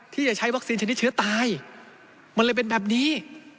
ที่จะใช้วัคซีนชนิดเชื้อตายมันเลยเป็นแบบนี้